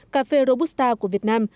cà phê robusta của việt nam